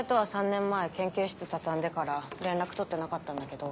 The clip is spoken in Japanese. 年前研究室畳んでから連絡取ってなかったんだけど。